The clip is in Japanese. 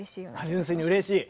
純粋にうれしい？